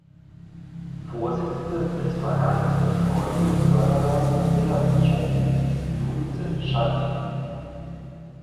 Vorsitzende des "Vereins der Freunde und Förderer der Villa Ichon" ist Luise Scherf.